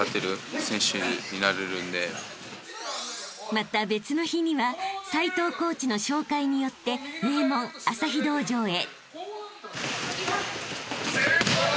［また別の日には齊藤コーチの紹介によって名門朝飛道場へ］